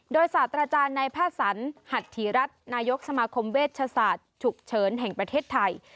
โดยศาสตราจารย์ในแพทย์สันหัดถีรัฐนายกสมาคมเวชศาสตร์ฉุกเฉินแห่งประเทศไทย